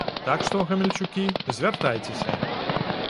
Так што, гамельчукі, звяртайцеся!